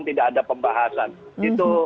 tidak ada pembahasan